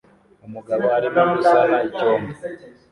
Umugabo arimo gusana icyombo